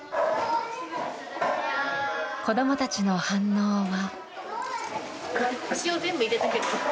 子供たちの反応は。